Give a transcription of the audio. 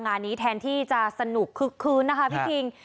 งานนี้แทนที่จะสนุกคึกคืนนะคะพี่คิง